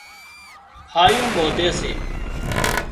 ڦاۯِيئون ٻانڌي سي